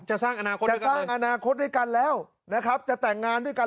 จะสร้างอนาคตด้วยกันแล้วนะครับจะแต่งงานด้วยกัน